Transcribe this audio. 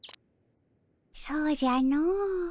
そうじゃの。